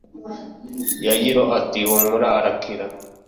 Yayiro ati humura arakira